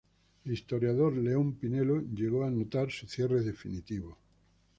El historiador León Pinelo llegó a anotar su cierre definitivo.